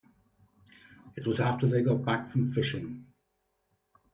It was after they got back from fishing.